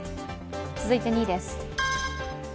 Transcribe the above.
続いて２位です。